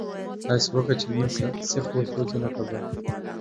داسي وکه چې نه سيخ وسوځي نه کباب.